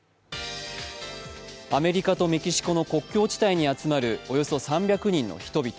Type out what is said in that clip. アメリカとメキシコの国境地帯に集まるおよそ３００人の人々。